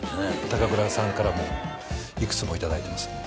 高倉さんからもいくつも頂いてますね